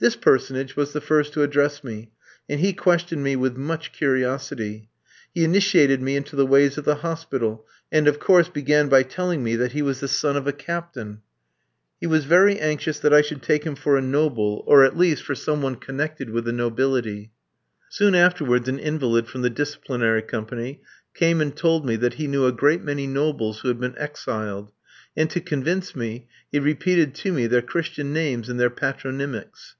This personage was the first to address me, and he questioned me with much curiosity. He initiated me into the ways of the hospital; and, of course, began by telling me that he was the son of a captain. He was very anxious that I should take him for a noble, or at least, for some one connected with the nobility. Soon afterwards an invalid from the Disciplinary Company came and told me that he knew a great many nobles who had been exiled; and, to convince me, he repeated to me their christian names and their patronymics.